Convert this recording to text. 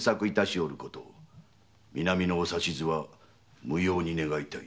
南のお指図は無用に願いたい。